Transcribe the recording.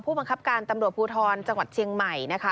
บังคับการตำรวจภูทรจังหวัดเชียงใหม่นะคะ